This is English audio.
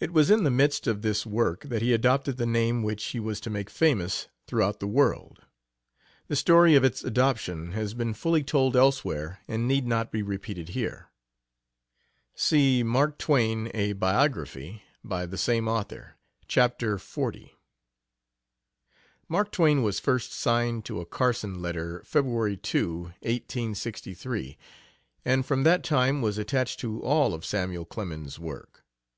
It was in the midst of this work that he adopted the name which he was to make famous throughout the world. The story of its adoption has been fully told elsewhere and need not be repeated here. [See Mark Twain: A Biography, by the same author; Chapter XL.] "Mark Twain" was first signed to a Carson letter, February 2, 1863, and from that time was attached to all of Samuel Clemens's work.